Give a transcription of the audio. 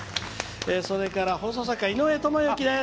それから放送作家、井上知幸です。